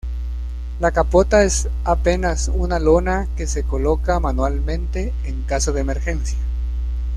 La capota es apenas una lona que se coloca manualmente en caso de emergencia.